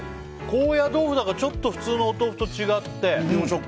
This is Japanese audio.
高野豆腐だからちょっとふつうのお豆腐と違って。